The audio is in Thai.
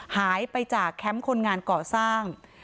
หายไปจากแคมป์คนงานก่อสร้าง